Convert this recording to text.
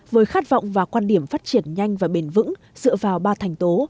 với khát vọng và quan điểm phát triển nhanh và bền vững dựa vào ba thành tố